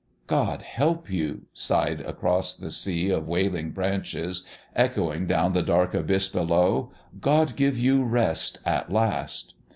"God help you!" sighed across the sea of wailing branches, echoing down the dark abyss below. "God give you rest at last!"